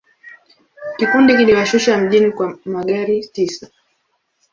Kikundi kiliwashusha mjini kwa magari tisa.